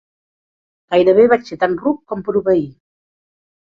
Gairebé vaig ser tan ruc com per obeir.